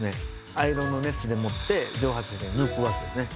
アイロンの熱でもって蒸発させて抜くわけですね。